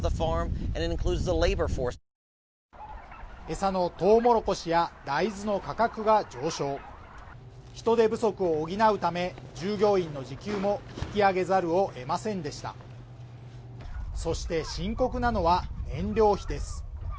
餌のトウモロコシや大豆の価格が上昇人手不足を補うため従業員の時給も引き上げざるを得ませんでしたそして深刻なのは燃料費です